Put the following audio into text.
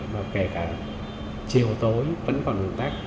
và kể cả chiều tối vẫn còn ủng tắc